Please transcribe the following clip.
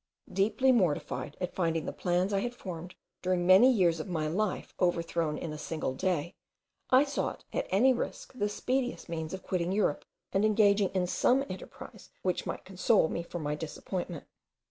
Deeply mortified at finding the plans I had formed during many years of my life overthrown in a single day, I sought at any risk the speediest means of quitting Europe, and engaging in some enterprise which might console me for my disappointment.